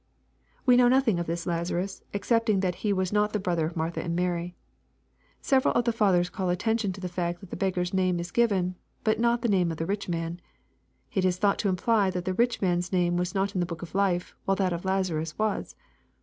We know nothing of this Lazarus, excepting that he was not the brother of Martha and Mary. Several of the fathers call at tention to the fact that the beggar's name is given, but not the name of the rich man. It is thought to imply that the rich man's name was not in the book of life, while that of Lazarus was.